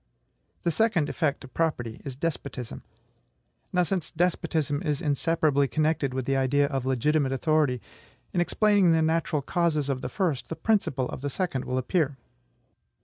The second effect of property is despotism. Now, since despotism is inseparably connected with the idea of legitimate authority, in explaining the natural causes of the first, the principle of the second will appear.